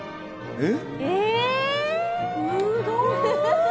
えっ？